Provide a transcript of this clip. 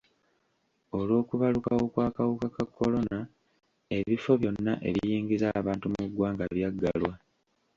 Olw'okubalukawo kw'akawuka ka kolona, ebifo byonna ebiyingiza abantu mu ggwanga byaggalwa.